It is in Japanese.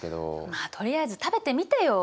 まあとりあえず食べてみてよ！